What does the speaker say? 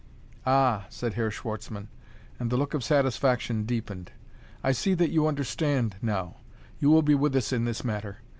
"Ah!" said Herr Schwartzmann, and the look of satisfaction deepened. "I see that you understand now; you will be with us in this matter.